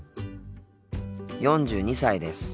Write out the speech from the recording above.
４２歳です。